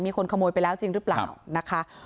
มีคนขโมยไปแล้วจริงหรือเปล่านะคะ